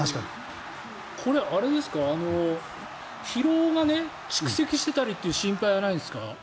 これ、疲労が蓄積していたりという心配はないんですか？